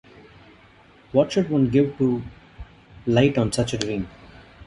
What should one give to light on such a dream?